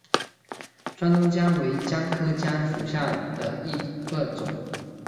川东姜为姜科姜属下的一个种。